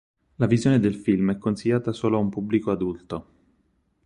La visione del film è consigliata solo a un pubblico adulto.